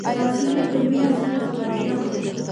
راځه نن په مینه زړونه تبادله کړو.